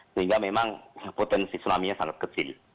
sehingga memang potensi tsunami nya sangat kecil